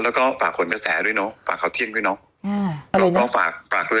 แล้วก็ฝากผลกระแสด้วยเนอะฝากข่าวเที่ยงด้วยเนาะเราก็ฝากฝากด้วย